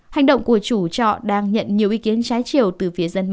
hành động của chú trọ đang nhận nhiều ý kiến trái chiều